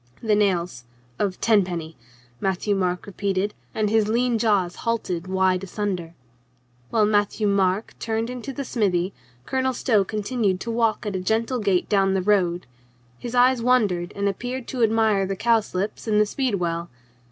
"The nails — of tenpenny," Matthieu Marc repeat ed, and his lean jaws halted wide asunder. While Matthieu Marc turned into the smithy Colonel Stow continued to walk at a gentle gait down the road. His eyes wandered and appeared to admire the cowslips and the speedwell.